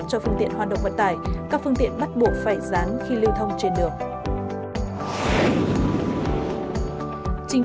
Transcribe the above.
cho phương tiện hoạt động vận tải các phương tiện bắt buộc phải dán khi lưu thông trên đường